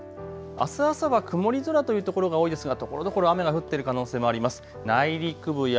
あす朝は曇り空というところが多いですがところどころ雨が降っている可能性もあります。